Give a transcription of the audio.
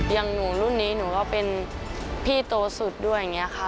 อย่างหนูรุ่นนี้หนูก็เป็นพี่โตสุดด้วยอย่างนี้ค่ะ